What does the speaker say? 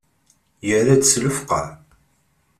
Yerra-d s lefqeε.